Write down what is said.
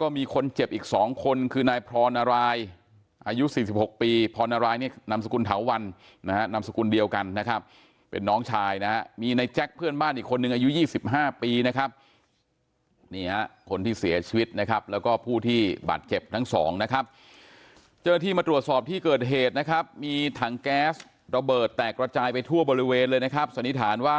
ก็มีคนเจ็บอีก๒คนคือนายพรณรายอายุ๔๖ปีพรณรายเนี่ยนามสกุลเถาวันนะฮะนามสกุลเดียวกันนะครับเป็นน้องชายนะฮะมีในแจ็คเพื่อนบ้านอีกคนนึงอายุ๒๕ปีนะครับนี่ฮะคนที่เสียชีวิตนะครับแล้วก็ผู้ที่บาดเจ็บทั้งสองนะครับเจ้าหน้าที่มาตรวจสอบที่เกิดเหตุนะครับมีถังแก๊สระเบิดแตกระจายไปทั่วบริเวณเลยนะครับสันนิษฐานว่า